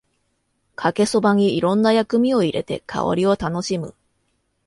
かけそばにいろんな薬味を入れて香りを楽しむ